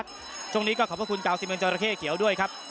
ครุ่นนี้ขอบคุณเรื่องเจ้ารัแคร่เกี่ยวด้วยครับ